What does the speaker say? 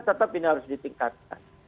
tetap ini harus ditingkatkan